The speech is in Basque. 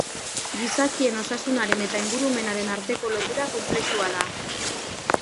Gizakien osasunaren eta ingurumenaren arteko lotura konplexua da.